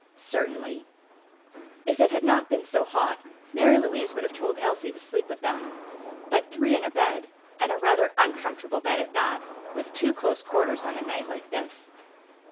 "Certainly." If it had not been so hot, Mary Louise would have told Elsie to sleep with them. But three in a bed, and a rather uncomfortable bed at that, was too close quarters on a night like this.